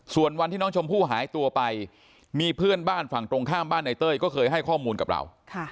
ส่วนวันที่น้องชมพู่หายตัวไปมีเพื่อนบ้านฝั่งตรงข้ามบ้านในเต้ยก็เคยให้ข้อมูลกับเรา